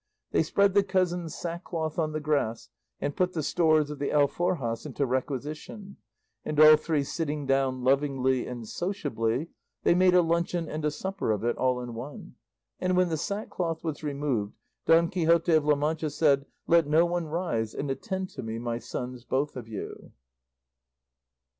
They spread the cousin's sackcloth on the grass, and put the stores of the alforjas into requisition, and all three sitting down lovingly and sociably, they made a luncheon and a supper of it all in one; and when the sackcloth was removed, Don Quixote of La Mancha said, "Let no one rise, and attend to me, my sons, both of you."